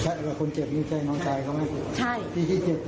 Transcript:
จิตดีลงขว์นะครับใช่